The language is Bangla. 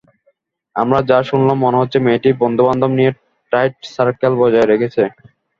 আমরা যা শুনলাম, মনে হচ্ছে মেয়েটি বন্ধুবান্ধব নিয়ে টাইট সার্কেল বজায় রেখেছে।